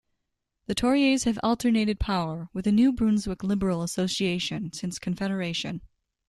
The Tories have alternated power with the New Brunswick Liberal Association since Confederation.